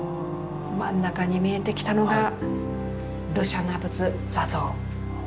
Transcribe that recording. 真ん中に見えてきたのが盧舎那仏坐像。